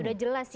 sudah jelas ya